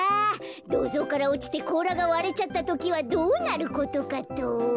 どうぞうからおちてこうらがわれちゃったときはどうなることかと。